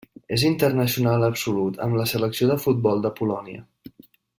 És internacional absolut amb la Selecció de futbol de Polònia.